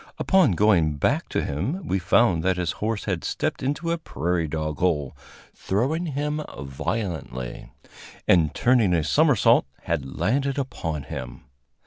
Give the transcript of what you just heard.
Upon going back to him, we found that his horse had stepped into a prairie dog hole, throwing him violently, and, turning a somersault, had landed upon him.